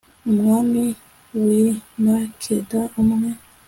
umwami w'i makeda, umwe